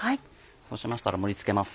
そうしましたら盛り付けます。